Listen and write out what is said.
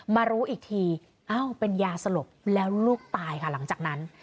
มารู้อีกทีเอ้าเป็นยาสลบแล้วลูกตายค่ะหลังจากนั้น